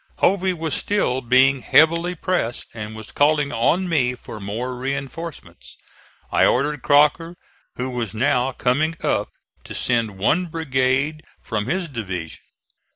Hovey was still being heavily pressed, and was calling on me for more reinforcements. I ordered Crocker, who was now coming up, to send one brigade from his division.